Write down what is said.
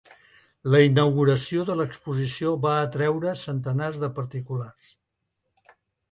La inauguració de l’exposició va atreure centenars de particulars.